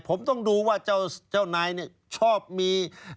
ผมต้องดูว่าเจ้านายชอบมี